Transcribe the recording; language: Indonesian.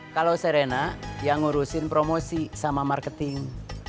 kalau serena yang ngurusin promosi sama marketing